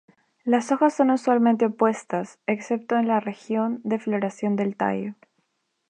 Las hojas son usualmente opuestas excepto en la región de floración del tallo.